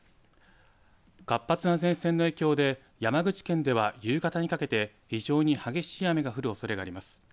活発な前線の影響で山口県では夕方にかけて非常に激しい雨が降るおそれがあります。